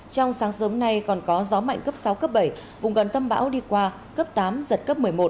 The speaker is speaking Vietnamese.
trong sáng sớm nay còn có gió mạnh cấp sáu cấp bảy vùng gần tâm bão đi qua cấp tám giật cấp một mươi một